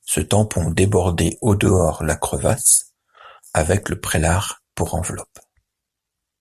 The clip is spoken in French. Ce tampon débordait au dehors la crevasse, avec le prélart pour enveloppe.